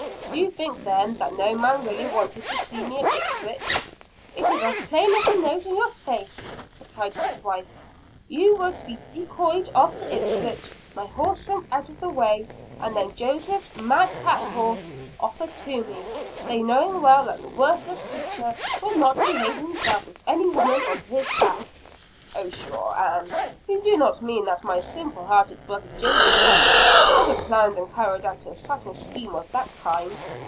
Do you think then, that no man really wanted to see me at Ipswich?" "It is as plain as the nose on your face," replied his wife. "You were to be decoyed off to Ipswich, my horse sent out of the way, and then Joseph's madcap horse offered to me, they knowing well that the worthless creature would not behave himself with any woman on his back." "Oh, pshaw, Ann; you do not mean that my simple hearted brother, Joseph Putnam, ever planned and carried out a subtle scheme of that kind?"